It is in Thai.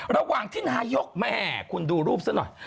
ระหว่างที่นายกแม่คุณดูรูปซะหน่อย